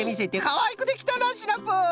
かわいくできたなシナプー。